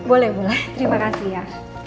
boleh boleh terima kasih ya